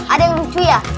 ada yang lucu ya